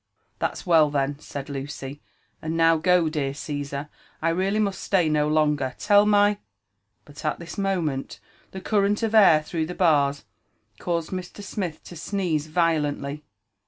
"That's well then," said Lucy: and now go, dear Caesar,— I really must stay no longer. Tell my —" But at this moment the current of air through the bars caused Mr. Smith to sneeze violently.